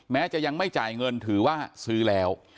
จะยังไม่จ่ายเงินถือว่าซื้อแล้ว